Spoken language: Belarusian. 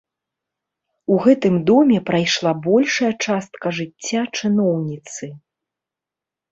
У гэтым доме прайшла большая частка жыцця чыноўніцы.